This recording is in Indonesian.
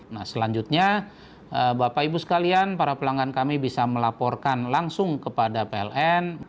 nah selanjutnya bapak ibu sekalian para pelanggan kami bisa melaporkan langsung kepada pln